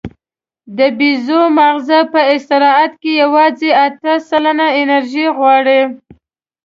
د بیزو ماغزه په استراحت کې یواځې اته سلنه انرژي غواړي.